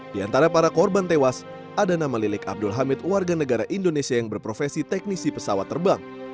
di antara para korban tewas ada nama lilik abdul hamid warga negara indonesia yang berprofesi teknisi pesawat terbang